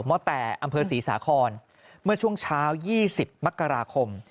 ม่อแต่อำเภอศรีสาครเมื่อช่วงเช้า๒๐มกราคม